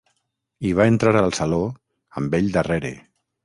I va entrar al saló, amb ell darrere.